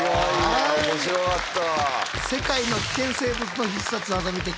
うわ面白かった。